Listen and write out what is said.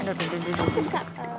aduh duduk duduk